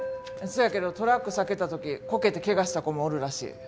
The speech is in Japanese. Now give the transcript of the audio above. せやけどトラック避けた時こけてけがした子もおるらしい。